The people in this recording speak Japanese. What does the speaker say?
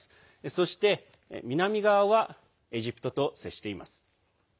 そして南側はエジプトと接しています。